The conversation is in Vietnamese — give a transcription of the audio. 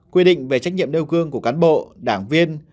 quy định về trách nhiệm nêu gương của cán bộ đảng viên